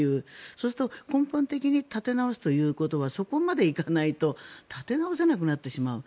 そうすると根本的に立て直すということはそこまでいかないと立て直せなくなってしまう。